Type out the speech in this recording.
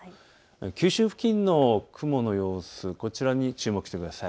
九州付近の雲の様子、こちらに注目してください。